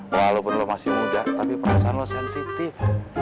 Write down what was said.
walaupun lo masih muda tapi perasaan lo sensitif